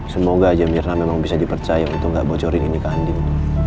semoga aja mirna memang bisa dipercaya untuk gak bocorin ini ke anding